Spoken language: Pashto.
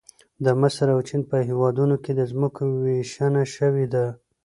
د مصر او چین په هېوادونو کې د ځمکو ویشنه شوې ده